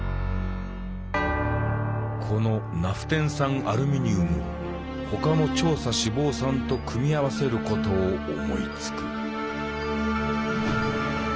このナフテン酸アルミニウムを他の長鎖脂肪酸と組み合わせることを思いつく。